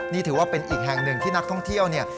นี่ถือว่าเป็นอีกแห่งหนึ่งที่นักท่องเที่ยวเนี่ย